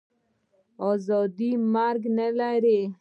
آزادي مرګ نه لري.